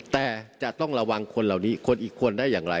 แต่จะต้องระวังคนเหล่านี้คนอีกคนได้อย่างไร